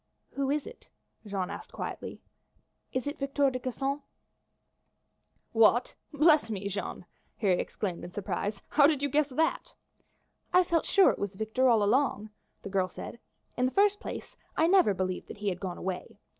"Who is it?" Jeanne asked quietly. "Is it Victor de Gisons?" "What! Bless me, Jeanne!" Harry exclaimed in surprise. "How did you guess that?" "I felt sure it was Victor all along," the girl said. "In the first place, I never believed that he had gone away.